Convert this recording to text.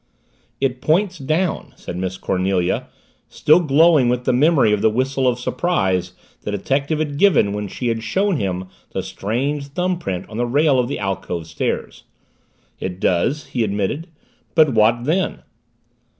"It points down," said Miss Cornelia, still glowing with the memory of the whistle of surprise the detective had given when she had shown him the strange thumbprint on the rail of the alcove stairs. "It does," he admitted. "But what then?"